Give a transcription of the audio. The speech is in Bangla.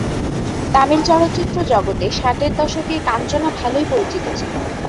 তামিল চলচ্চিত্র জগতে ষাটের দশকে কাঞ্চনা ভালোই পরিচিত ছিলেন।